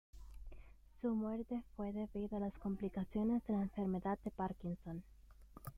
Su muerte fue debido a las complicaciones de la enfermedad de Parkinson.